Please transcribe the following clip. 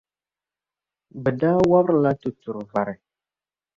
Bɛ daa wɔbiri la tuturi vari.